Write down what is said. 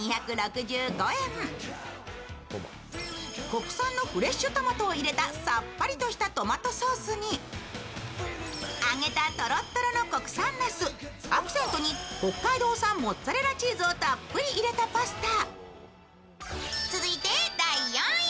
国産のフレッシュトマトを入れたさっぱりとしたトマトソースに揚げたとろとろの国産なす、アクセントに北海道産モッツァレラチーズをたっぷり入れたパスタ。